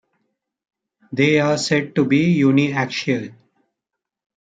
They are said to be uniaxial.